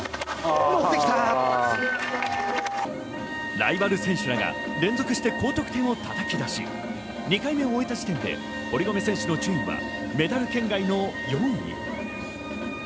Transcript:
ライバル選手らが連続して高得点をたたき出し、２回目を終えた時点で堀米選手の順位はメダル圏外の４位。